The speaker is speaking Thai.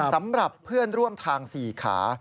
สำหรับเพื่อนร่วมทาง๔ขา